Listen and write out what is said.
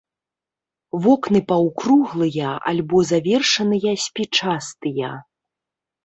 Вокны паўкруглыя альбо завершаныя спічастыя.